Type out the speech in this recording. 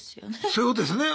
そういうことですよね。